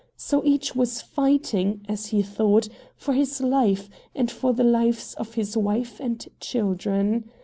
So each was fighting, as he thought, for his life and for the lives of his wife and children.